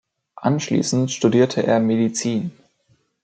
Anschließend studierte er Medizin.